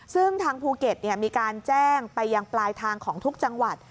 ซึ่งทางภูเก็ตมีการแจ้งไปยังปลายทางของทุกจังหวัด